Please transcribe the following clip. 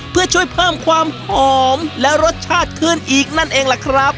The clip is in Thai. เพื่อช่วยเพิ่มความหอมและรสชาติขึ้นอีกนั่นเองล่ะครับ